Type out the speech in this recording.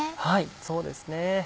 そうですね。